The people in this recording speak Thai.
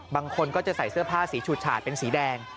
บางคนก็จะใส่เสื้อผ้าสีฉูดฉาดเป็นสีแดง